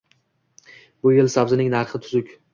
Bu yil sabzining narxi tuzuk.